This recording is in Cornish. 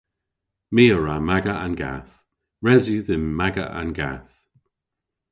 My a wra maga an gath. Res yw dhymm maga an gath.